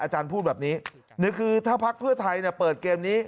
อาจารย์พูดแบบนี้คือถ้าพักเพื่อไทยเปิดเกมนี้